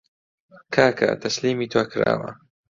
کاکە تەسلیمی تۆ کراوە